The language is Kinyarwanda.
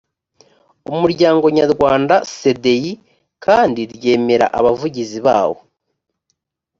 umuryango nyarwanda cdi kandi ryemera abavugizi bawo